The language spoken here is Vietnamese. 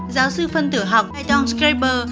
giáo sư phân tử học haydon schreiber